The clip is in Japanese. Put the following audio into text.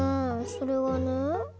それはね